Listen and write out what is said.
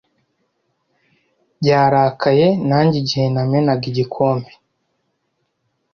Yarakaye nanjye igihe namenaga igikombe.